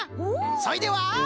そいでは。